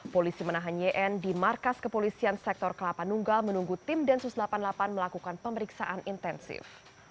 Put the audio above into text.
polisi menahan yn di markas kepolisian sektor kelapa nunggal menunggu tim densus delapan puluh delapan melakukan pemeriksaan intensif